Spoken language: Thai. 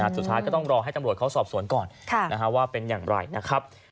สุดท้ายก็ต้องรอให้ตำรวจเขาสอบสวนก่อนว่าเป็นอย่างไรนะครับ